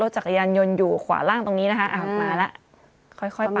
จักรยานยนต์อยู่ขวาล่างตรงนี้นะคะมาแล้วค่อยค่อยมา